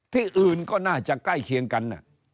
ที่อื่นก็น่าจะใกล้เคียงกัน